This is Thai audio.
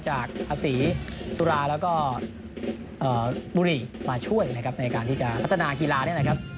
ภาษีสุราแล้วก็บุหรี่มาช่วยนะครับในการที่จะพัฒนากีฬานี่แหละครับ